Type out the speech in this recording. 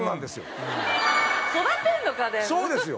そうですよ。